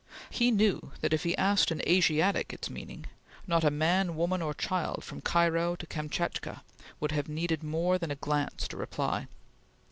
He knew that if he asked an Asiatic its meaning, not a man, woman, or child from Cairo to Kamtchatka would have needed more than a glance to reply.